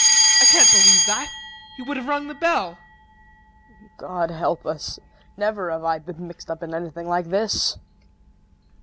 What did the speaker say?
I can't believe that. He would have rung the bell. KRISTIN. God help us! Never have I been mixed up in anything like this!